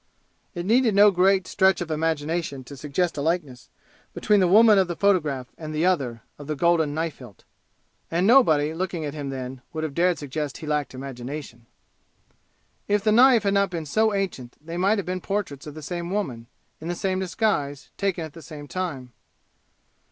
It needed no great stretch of imagination to suggest a likeness between the woman of the photograph and the other, of the golden knife hilt. And nobody, looking at him then, would have dared suggest he lacked imagination. If the knife had not been so ancient they might have been portraits of the same woman, in the same disguise, taken at the same time.